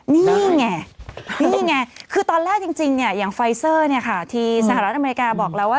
นี่ไงคือตอนแรกจริงอย่างไฟเซอร์ที่สหรัฐอเมริกาบอกเราว่า